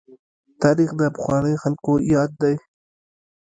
تاريخ د پخوانیو خلکو ياد دی.